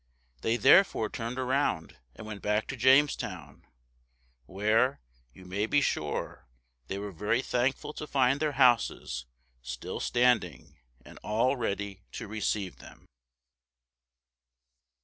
They therefore turned around and went back to Jamestown, where, you may be sure, they were very thankful to find their houses still standing and all ready to receive them.